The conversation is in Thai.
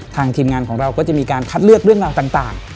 ทีมงานของเราก็จะมีการคัดเลือกเรื่องราวต่าง